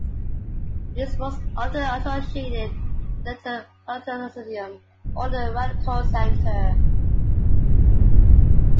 It is most often associated with left-libertarianism or the radical center.